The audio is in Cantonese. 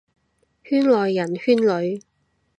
圈內人，圈裏，